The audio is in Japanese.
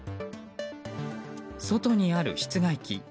外にある室外機。